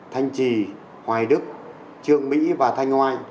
thanh trì hoài đức trường mỹ và thanh ngoai